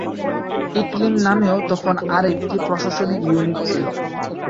ইকলিম নামেও তখন আর একটি প্রশাসনিক ইউনিট ছিল।